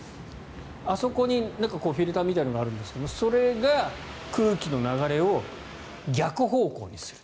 あそこにフィルターみたいなのがあるんですがそれが空気の流れを逆方向にする。